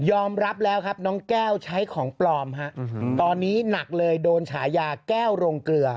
อมรับแล้วครับน้องแก้วใช้ของปลอมฮะตอนนี้หนักเลยโดนฉายาแก้วโรงเกลือ